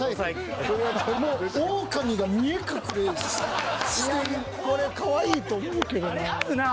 でもこれかわいいと思うけどな。